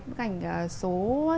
bức ảnh số chín